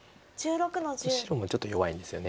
白もちょっと弱いんですよね